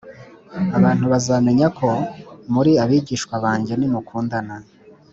Abantu bazamenya ko muri abigishwa banjye nimukundana